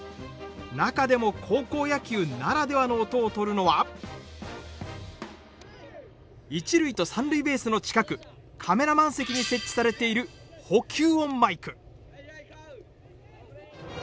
中でも高校野球ならではの音をとるのは一塁と三塁ベースの近くカメラマン席に設置されている捕球音マイク。